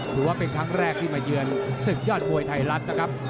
ถือว่าเป็นครั้งแรกที่มาเยือนศึกยอดมวยไทยรัฐนะครับ